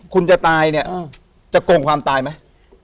คุณจะตายเนี่ยจะโกงความตายไหม